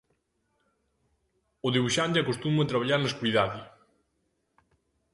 O debuxante acostuma a traballar na escuridade.